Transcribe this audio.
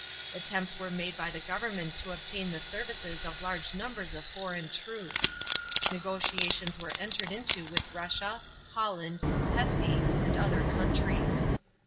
Attempts were made by the government to obtain the services of large numbers of foreign troops. Negotiations were entered into with Russia, Holland, Hesse, and other countries.